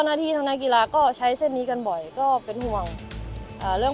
สวัสดีครับที่ได้รับความรักของคุณ